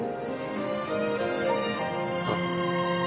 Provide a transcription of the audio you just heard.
あっ。